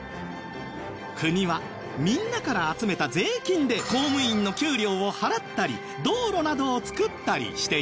国はみんなから集めた税金で公務員の給料を払ったり道路などを造ったりしています